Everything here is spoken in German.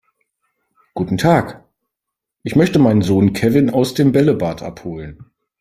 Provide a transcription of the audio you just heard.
Guten Tag, ich möchte meinen Sohn Kevin aus dem Bällebad abholen.